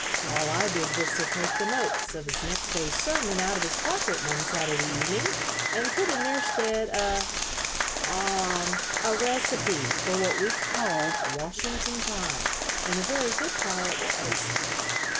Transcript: All I did was to take the notes of his next day's sermon out of his pocket one Saturday evening, and put in their stead a ah a recipe for what we called Washington pie and a very good pie it was."